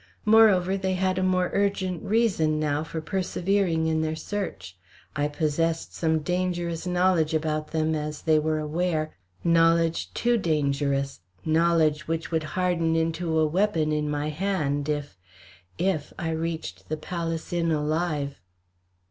Moreover, they had a more urgent reason now for persevering in their search. I possessed some dangerous knowledge about them as they were aware knowledge, too dangerous; knowledge which would harden into a weapon in my hand if if I reached the Palace Inn alive.